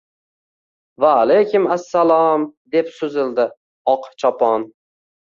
– Vaalaykum assalom! – deb suzildi Oqchopon